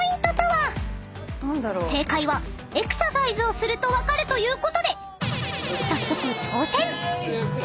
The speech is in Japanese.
［正解はエクササイズをすると分かるということで早速挑戦！］